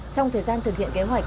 trong thời gian thực hiện kế hoạch